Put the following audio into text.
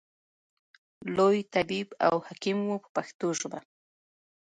لوی طبیب او حکیم و په پښتو ژبه.